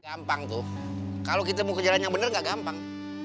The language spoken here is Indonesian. gampang tuh kalau kita mau ke jalan yang benar nggak gampang